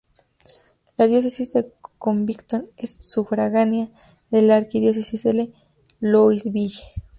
La Diócesis de Covington es sufragánea de la Arquidiócesis de Louisville.